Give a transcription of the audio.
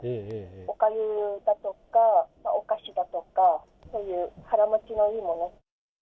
おかゆだとか、お菓子だとか、そういう腹持ちのいいもの。